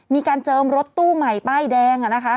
เจิมรถตู้ใหม่ป้ายแดง